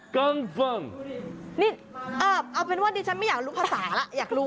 ขอบคุณมากค่ะ